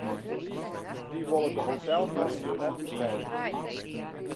Dy wolle de hotelkosten net betelje.